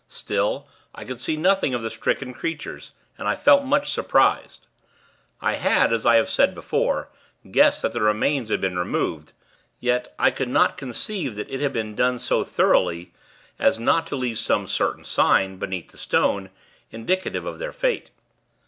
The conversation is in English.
Still, I could see nothing of the stricken creatures, and I felt much surprised. I had, as I have before said, guessed that the remains had been removed; yet, I could not conceive that it had been done so thoroughly as not to leave some certain sign, beneath the stone, indicative of their fate.